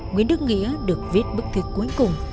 nguyễn đức nghĩa được viết bức thiệt cuối cùng